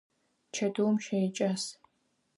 Чэтыум щэ икӏас.